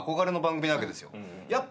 やっぱ。